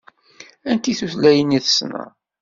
Anti tutlayin i tessneḍ?